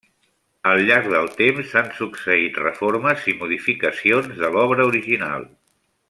Al llarg del temps s'han succeït reformes i modificacions de l'obra original.